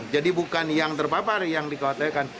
jadi bukan yang terpapar yang dikotekan